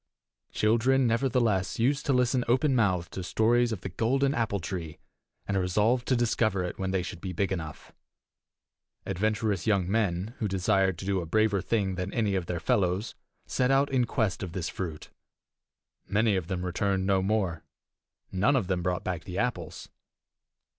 Children, nevertheless, used to listen openmouthed to stories of the golden apple tree, and resolved to discover it when they should be big enough. Adventurous young men, who desired to do a braver thing than any of their fellows, set out in quest of this fruit. Many of them returned no more: none of them brought back the apples.